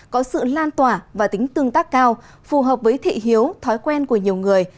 có sự lan tỏa và tính tương tác cao phù hợp với thị hiếu thói quen của nhiều người